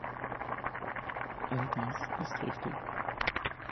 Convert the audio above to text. All dies ist richtig.